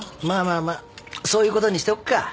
まあまあまあそういうことにしておくか。